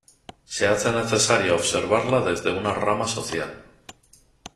Se hace necesario observarla desde una rama social.